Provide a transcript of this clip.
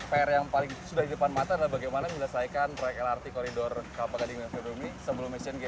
pr yang paling sudah di depan mata adalah bagaimana menyelesaikan proyek lrt koridor kelapa gading dan fenome sebelum asian games